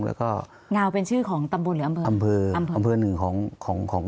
แล้วก็เงาวเป็นชื่อของตำบลหรืออำเภออำเภอหนึ่งของของ